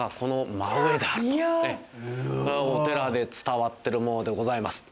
お寺で伝わってるものでございます。